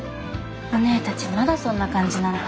おねぇたちまだそんな感じなんだ。